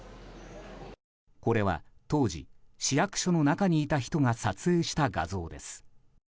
これは当時、市役所の中にいた人が撮影した画像です。